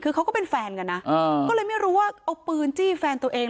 คือเขาก็เป็นแฟนกันนะก็เลยไม่รู้ว่าเอาปืนจี้แฟนตัวเอง